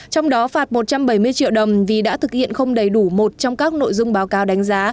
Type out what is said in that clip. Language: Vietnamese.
trong đó phạt một trăm bảy mươi triệu đồng vì đã thực hiện không đầy đủ một trong các nội dung báo cáo đánh giá